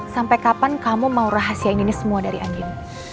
sampai kapan kamu mau rahasianya ini semua dari andin